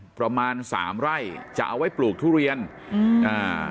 ประมาณสามไร่จะเอาไว้ปลูกทุเรียนอืมอ่า